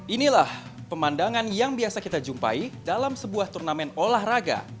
inilah pemandangan yang biasa kita jumpai dalam sebuah turnamen olahraga